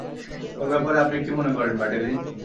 ওর ব্যাপারে আপনি কি মনে করেন, ম্যাডেলিন?